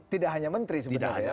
tidak hanya menteri sebenarnya